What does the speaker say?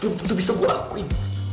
belum tentu bisa gue lakuin